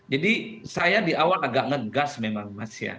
jadi saya di awal agak ngegas memang mas